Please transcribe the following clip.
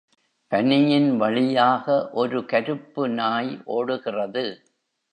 பனியின் வழியாக ஒரு கருப்பு நாய் ஓடுகிறது.